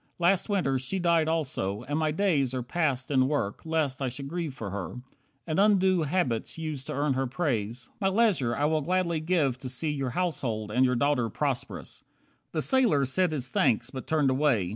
Last Winter she died also, and my days Are passed in work, lest I should grieve for her, And undo habits used to earn her praise. My leisure I will gladly give to see Your household and your daughter prosperous." The sailor said his thanks, but turned away.